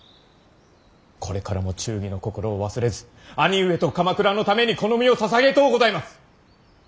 これからも忠義の心を忘れず兄上と鎌倉のためにこの身を捧げとうございます。